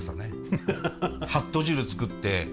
はっと汁作って。